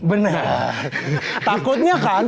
benar takutnya kan